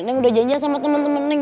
neng udah janjian sama temen temen neng